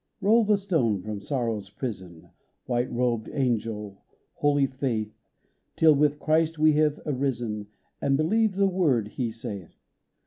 Roll the stone from sorrow's prison, White robed angel, holy Faith, Till with Christ we have arisen, And believe the word He saith